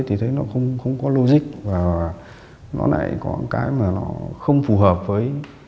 thì thấy nó không có logic và nó lại có cái mà nó không phù hợp với